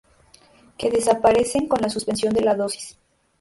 Que desaparecen con la suspensión de la dosis.